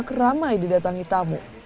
keramai didatangi tamu